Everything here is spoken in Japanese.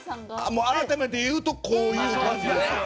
改めて言うとこういう感じです。